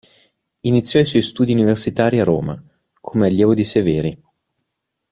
Iniziò i suoi studi universitari a Roma come allievo di Severi.